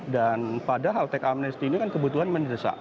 dan padahal teks amnesti ini kan kebutuhan menyesal